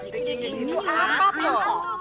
breaking news itu apa pak